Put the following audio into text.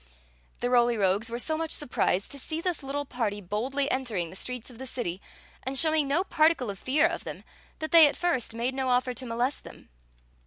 The Roly Rogues were so much surprised to see this little party boldly entering the streets of the city, and showing no particle of fear of them, that they at first made no offer to molest them.